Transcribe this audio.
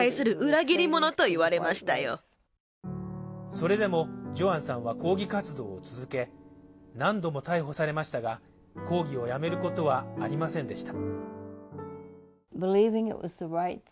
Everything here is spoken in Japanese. それでもジョアンさんは抗議活動を続け、何度も逮捕されましたが、抗議をやめることはありませんでした。